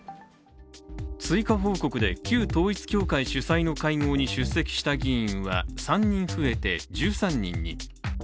追加報告で旧統一教会主催の会合に出席した議員は、３人増えて１３人に。